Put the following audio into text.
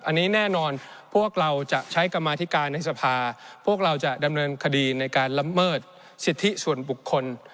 อันนี้แน่นอนพวกเราจะใช้กรรมาธิการในสภาพวกเราจะดำเนินคดีในการละเมิดสิทธิส่วนบุคคล